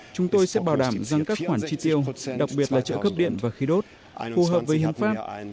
chúng tôi sẽ bảo đảm rằng các khoản chi tiêu đặc biệt là trợ cấp điện và khí đốt phù hợp với hiến pháp